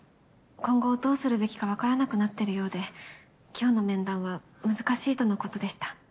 今後どうするべきかわからなくなってるようで今日の面談は難しいとのことでした。